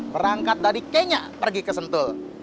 berangkat dari kenya pergi ke sentul